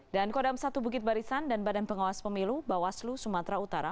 dan kodam satu bukit barisan dan badan pengawas pemilu bawaslu sumatera utara